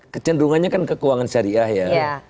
kecenderungannya kan ke keuangan syariah ya